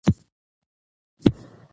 که لیلیه وي نو محصل نه سرګردانه کیږي.